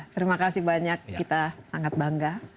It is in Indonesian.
terima kasih banyak kita sangat bangga